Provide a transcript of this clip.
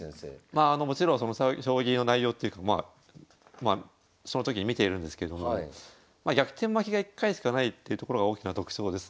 まああのもちろん将棋の内容っていうかまあその時に見ているんですけどもまあ逆転負けが１回しかないっていうところが大きな特徴ですね。